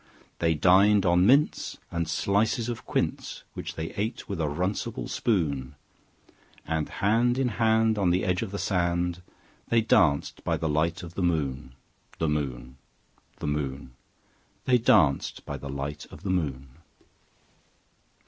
They dined on mince and slices of quince, Which they ate with a runcible spoon; And hand in hand, on the edge of the sand, They danced by the light of the moon, The moon, The moon, They danced by the light of the moon.